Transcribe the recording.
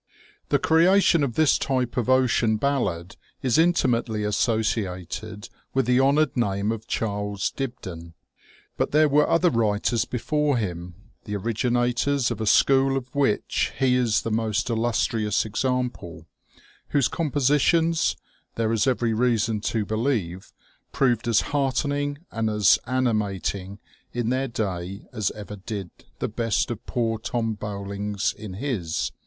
The creation of this type of ocean ballad is intimately associated with the honoured name of Charles Dibdin ; but there were other writers before him, the originators of a school of which he is the most illustrious example, whose com positions, there is every reason to believe, proved as heartening and as animating in their day as^ ever did the best of poor Tom Bowling's in his.